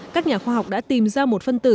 các nhà khoa học đã tìm ra một phân tử